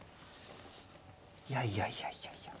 いやいやいやいやいや。